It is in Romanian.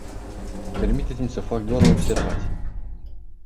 Permiteți-mi să fac doar o observație.